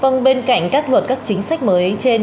vâng bên cạnh các luật các chính sách mới trên